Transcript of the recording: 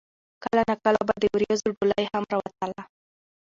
کله نا کله به د وريځو ډولۍ هم راوتله